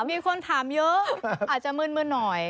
มีคนถามเยอะอาจจะมืนหน่อย